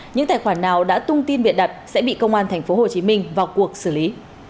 những tài khoản nào đã tung tin biện đặt sẽ bị công an tp hcm vào cuộc xử lý